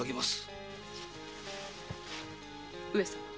上様。